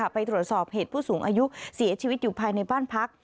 ไปตรวจสอบเหตุผู้สูงอายุเสียชีวิตอยู่ภายในบ้านพัก